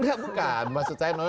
enggak bukan maksud saya noel